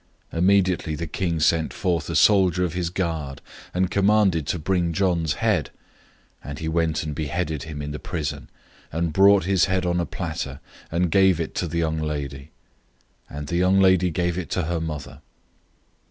006:027 Immediately the king sent out a soldier of his guard, and commanded to bring John's head, and he went and beheaded him in the prison, 006:028 and brought his head on a platter, and gave it to the young lady; and the young lady gave it to her mother.